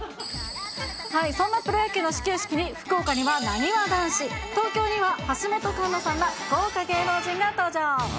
そんなプロ野球の始球式に、福岡にはなにわ男子、東京には橋本環奈さんら、豪華芸能人が登場。